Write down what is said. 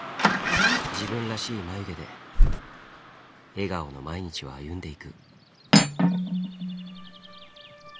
自分らしい眉毛で笑顔の毎日を歩んでいく。